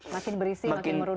makin berisi makin merunduk